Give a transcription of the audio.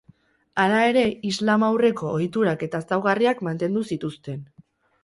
Hala ere, islam aurreko ohiturak eta ezaugarriak mantendu zituzten.